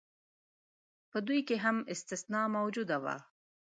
په دوی کې هم استثنا موجوده وه.